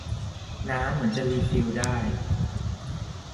น้ำเหมือนจะรีฟิลได้